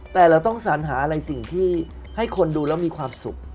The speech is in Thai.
แต่เราต้องสัญหาอะไรสิ่งที่ให้คนดูแล้วมีความสุข